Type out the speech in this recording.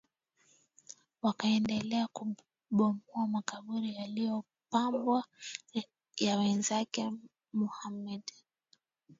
wakaendelea kubomoa makaburi yaliyopambwa ya wenzake Muhamad